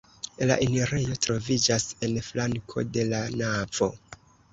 La enirejo troviĝas en flanko de la navo.